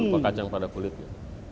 lupa kacang pada kulitnya